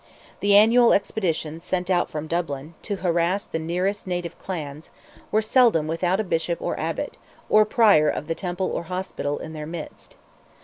The annual expeditions sent out from Dublin, to harass the nearest native clans, were seldom without a Bishop or Abbot, or Prior of the Temple or Hospital, in their midst.